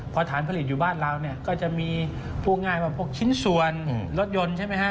เพราะฐานปลิตอยู่บ้านเราก็จะมีพวกง่ายพวกชิ้นส่วนรถยนต์ใช่ไหม